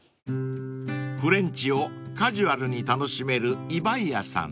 ［フレンチをカジュアルに楽しめるＩＢＡＩＡさん］